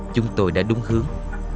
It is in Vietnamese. chúng tôi đã đúng hướng